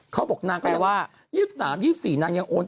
เขาบอกหนังแบบ๒๓๒๔นังยังโอน